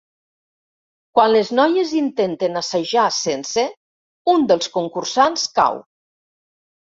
Quan les noies intenten assajar sense, un dels concursants cau.